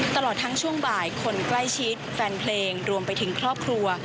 ตลอดทั้งช่วงบ่ายคนใกล้ชิดแฟนเพลงรวมไปถึงครอบครัว